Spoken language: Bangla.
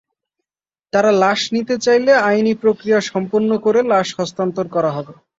তাঁরা লাশ নিতে চাইলে আইনি প্রক্রিয়া সম্পন্ন করে লাশ হস্তান্তর করা হবে।